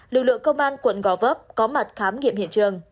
lực lượng công an quận gò vấp có mặt khám nghiệm hiện trường